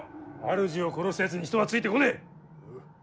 主を殺したやつに人はついてこねえ。